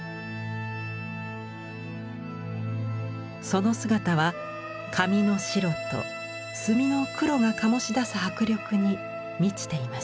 その姿は紙の白と墨の黒が醸し出す迫力に満ちています。